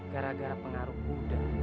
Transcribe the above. gara gara pengaruh kuda